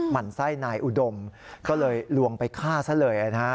มันไส้นายอุดมก็เลยลวงไปฆ่าซะเลยนะฮะ